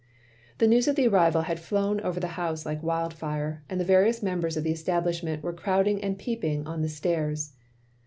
The news of the arrival had flown over the house like wild fire, and the various members of the establishment were crowding and peeping on the stairs.